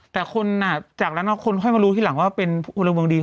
แต่คนจากนั้นคนค่อยมารู้ทีหลังว่าเป็นพลเมืองดี